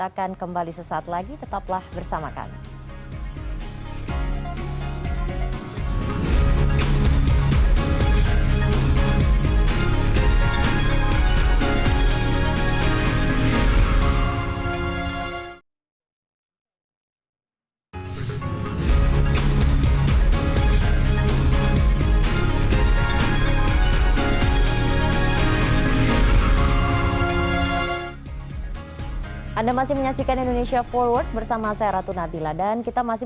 akan kembali sesaat lagi tetaplah